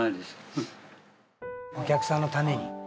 お客さんのために。